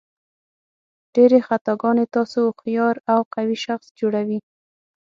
ډېرې خطاګانې تاسو هوښیار او قوي شخص جوړوي.